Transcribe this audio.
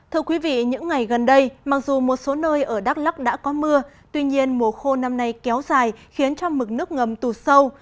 thưa quý vị những ngày gần đây mặc dù một số nơi ở đắk lắc đã có mưa tuy nhiên mùa khô năm nay kéo dài khiến cho mực nước ngầm tụt sâu